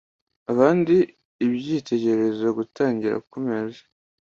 abandi ibyitegererezo gutangirira ku meza